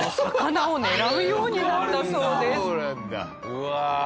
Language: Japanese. うわ。